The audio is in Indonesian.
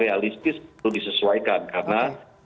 realistis perlu disesuaikan karena